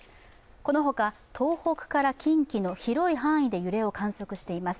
このほか、東北から近畿の広い範囲で揺れを観測しています。